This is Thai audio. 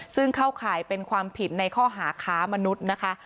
ซึ่งเข้าข่ายเป็นความผิดในข้อหาค้ามนุษย์นะคะ